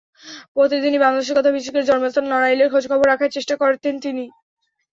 প্রতিদিনই বাংলাদেশের কথা, বিশেষ করে জন্মস্থান নড়াইলের খোঁজখবর রাখার চেষ্টা করতেন।